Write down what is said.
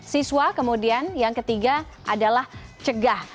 siswa kemudian yang ketiga adalah cegah